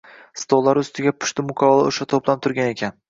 Stollari ustida pushti muqovali o`sha to`plam turgan ekan